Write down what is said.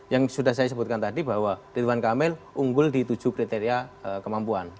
yang sudah saya sebutkan tadi bahwa ridwan kamil unggul di tujuh kriteria kemampuan